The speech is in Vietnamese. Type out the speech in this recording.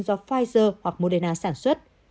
do pfizer hoặc moderna sản xuất